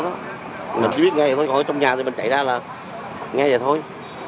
mình chỉ biết nghe vậy thôi có ở trong nhà thì mình chạy ra là nghe vậy thôi